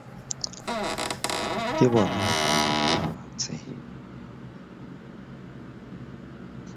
The crew shut the hatch again for another hour.